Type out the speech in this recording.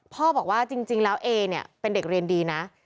พ่อบอกว่าจริงแล้วเอเนี่ยเป็นเด็กเรียนดีนะ